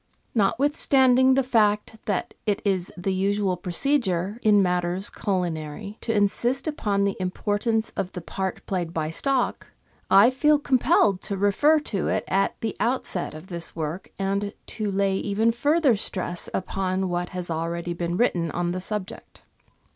Notwithstanding the fact that it is the usual procedure, in matters culinary, to insist upon the importance of the part played by stock, I feel compelled to refer to it at the outset of this work, and to lay even further stress upon what has already been written on the subject.